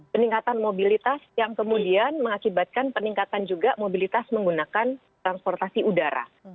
peningkatan mobilitas yang kemudian mengakibatkan peningkatan juga mobilitas menggunakan transportasi udara